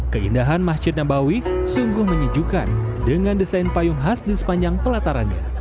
keindahan masjid nabawi sungguh menyejukkan dengan desain payung khas di sepanjang pelatarannya